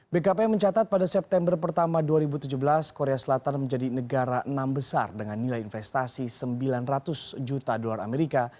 bkpm mencatat pada september pertama dua ribu tujuh belas korea selatan menjadi negara enam besar dengan nilai investasi sembilan ratus juta dolar amerika